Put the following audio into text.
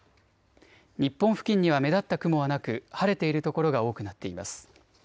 日本付近には目立った雲はなく晴れている所が多くなっています。